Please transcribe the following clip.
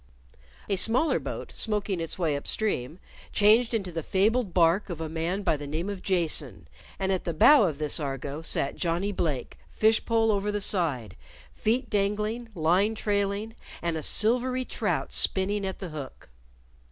A smaller boat, smoking its way up stream, changed into the fabled bark of a man by the name of Jason, and at the bow of this Argo sat Johnnie Blake, fish pole over the side, feet dangling, line trailing, and a silvery trout spinning at the hook.